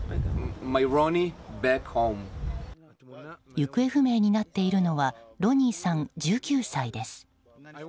行方不明になっているのはロニーさん、１９歳です。